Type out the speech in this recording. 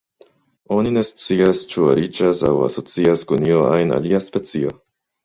Oni ne scias ĉu ariĝas aŭ asocias kun iu ajn alia specio.